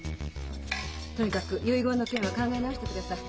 とにかく遺言の件は考え直してください。